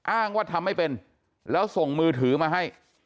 อ้างว่าทำไม่เป็นแล้วส่งมือถือมาให้